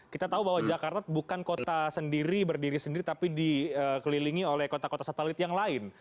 kita tahu bahwa jakarta bukan kota sendiri berdiri sendiri tapi dikelilingi oleh kota kota satelit yang lain